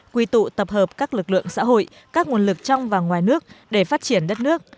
quy tụ tập hợp các lực lượng xã hội các nguồn lực trong và ngoài nước để phát triển đất nước